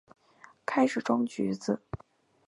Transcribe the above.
开始装橘子